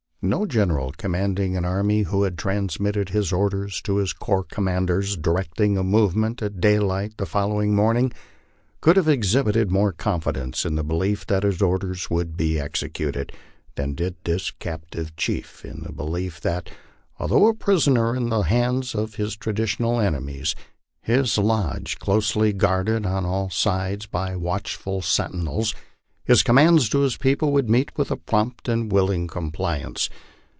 No general commanding an army, who had transmitted his orders to his corps commanders, directing a movement at daylight the following morning, could have exhibited more confidence in the belief that his orders would be executed, than did this captive chief in the belief that, although a prisoner in the hands of his traditional enemies, his lodge closely guarded on all sides by watchful sentinels, his commands to his people would meet with a prompt and willing compliance.